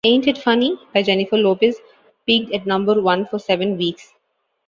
"Ain't It Funny" by Jennifer Lopez peaked at number one for seven weeks.